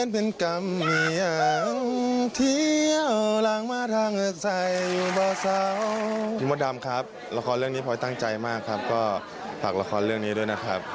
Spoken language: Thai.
มดดำครับละครเรื่องนี้พลอยตั้งใจมากครับก็ฝากละครเรื่องนี้ด้วยนะครับ